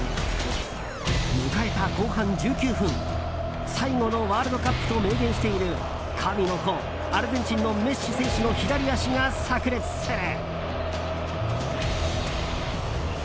迎えた後半１９分最後のワールドカップと明言している神の子、アルゼンチンのメッシ選手の左足が炸裂する。